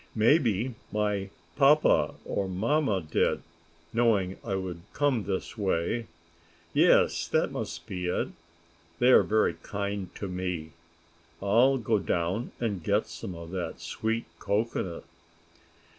Maybe my papa or mamma did, knowing I would come this way. Yes, that must be it. They are very kind to me. I'll go down and get some of that sweet cocoanut."